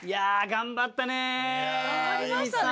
頑張りましたね。